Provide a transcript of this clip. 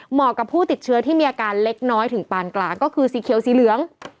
กับผู้ติดเชื้อที่มีอาการเล็กน้อยถึงปานกลางก็คือสีเขียวสีเหลือง